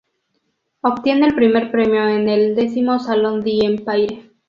Obtiene el Primer Premio en el X Salón d’Empaire.